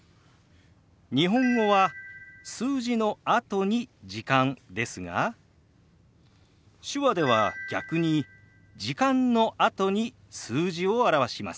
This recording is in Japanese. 日本語は数字のあとに「時間」ですが手話では逆に「時間」のあとに数字を表します。